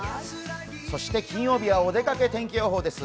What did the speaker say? そして金曜日はお出かけ天気予報です。